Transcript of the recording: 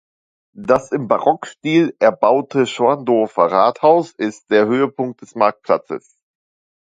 Das im Barockstil erbaute Schorndorfer Rathaus ist der Höhepunkt des Marktplatzes.